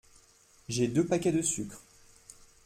J’ai deux paquets de sucre.